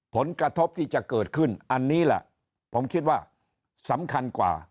ผลกระทบที่จะเกิดขึ้นอันนี้แหละผมคิดว่าสำคัญกว่า